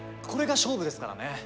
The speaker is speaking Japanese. これが勝負ですからね。